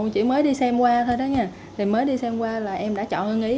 chỉ mới đi xem qua thôi đó nha thì mới đi xem qua là em đã chọn hương ý